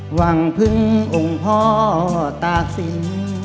หวังพึ่งองค์พ่อตากศิลป์